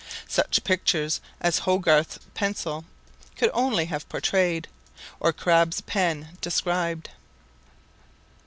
Such pictures as Hogarth's pencil only could have pourtrayed, or Crabbe's pen described.